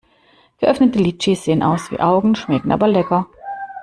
Geöffnete Litschis sehen aus wie Augen, schmecken aber lecker.